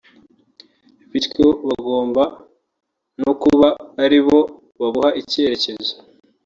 bityo bagomba no kuba aribo babuha icyerekezo